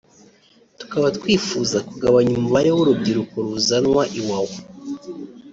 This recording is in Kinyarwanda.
tukaba twifuza kugabanya umubare w’urubyiruko ruzanwa Iwawa